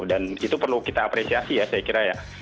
dan itu perlu kita apresiasi ya saya kira ya